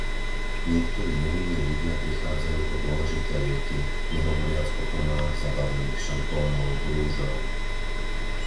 Niektorí nevinní ľudia prichádzajú o dôležité lieky, nehovoriac o tonách zabavených šampónov, rúžov